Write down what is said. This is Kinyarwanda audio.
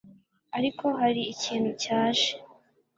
ariko hari ikintu cyaje